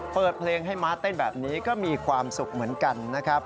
เปิดเพลงให้ม้าเต้นแบบนี้ก็มีความสุขเหมือนกันนะครับ